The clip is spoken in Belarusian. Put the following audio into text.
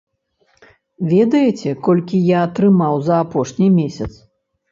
Ведаеце, колькі я атрымаў за апошні месяц?